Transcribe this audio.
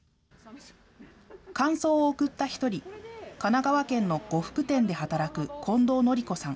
感想を送った一人、神奈川県の呉服店で働く近藤典子さん。